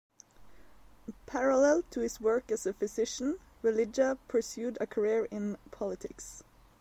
Parallel to his work as a physician, Religa pursued a career in politics.